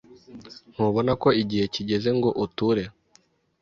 Ntubona ko igihe kigeze ngo uture?